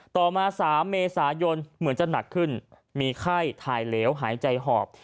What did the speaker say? ต่อมา๓เมษายนเหมือนจะหนักขึ้นมีไข้ถ่ายเหลวหายใจหอบ